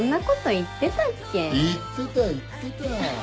言ってた言ってた。